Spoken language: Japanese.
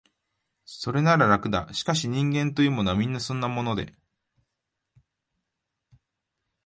それなら、楽だ、しかし、人間というものは、皆そんなもので、